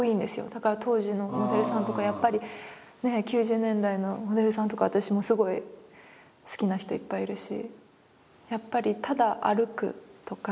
だから当時のモデルさんとかやっぱり９０年代のモデルさんとか私もすごい好きな人いっぱいいるし。